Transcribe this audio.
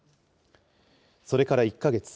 それから１か月。